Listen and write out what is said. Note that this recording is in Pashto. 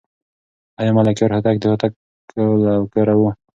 آیا ملکیار هوتک د هوتکو له کوره و؟